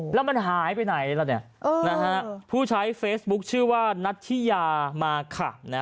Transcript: แล้วมันหายไปไหนล่ะเนี่ยนะฮะผู้ใช้เฟซบุ๊คชื่อว่านัทธิยามาค่ะ